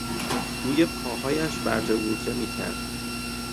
روی پاهایش ورجه وورجه میکرد.